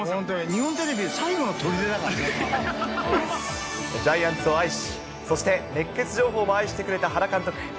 日本テレビ、最後のジャイアンツを愛し、そして熱ケツ情報も愛してくれた原監督。